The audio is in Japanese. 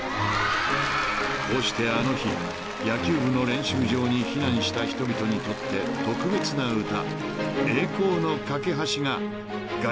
［こうしてあの日野球部の練習場に避難した人々にとって特別な歌］